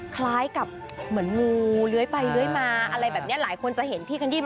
คล้ายกับเหมือนงูเลื้อยไปเลื้อยมาอะไรแบบนี้หลายคนจะเห็นพี่กันยี่